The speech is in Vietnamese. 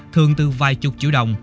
thường từ vài chục triệu đồng